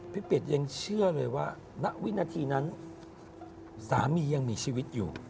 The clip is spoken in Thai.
เป็ดยังเชื่อเลยว่าณวินาทีนั้นสามียังมีชีวิตอยู่